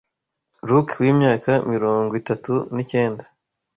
Luke w’imyaka mirongwitatu nicyenda